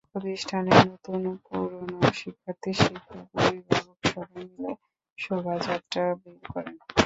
প্রতিষ্ঠানের নতুন পুরোনো শিক্ষার্থী, শিক্ষক অভিভাবক সবাই মিলে শোভাযাত্রা বের করেন।